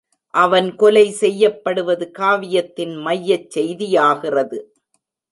அவன் கொலை செய்யப்படுவது காவியத்தின் மையச் செய்தியாகிறது.